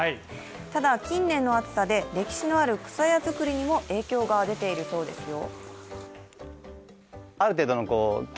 ただ、近年の暑さで歴史のあるくさや作りにも影響が出ているそうですよ。